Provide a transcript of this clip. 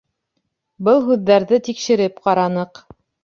Был һүҙҙәрҙе тикшереп ҡараныҡ.